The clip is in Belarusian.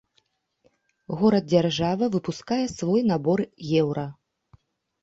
Горад-дзяржава выпускае свой набор еўра.